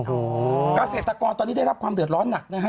โอ้โหเกษตรกรตอนนี้ได้รับความเดือดร้อนหนักนะฮะ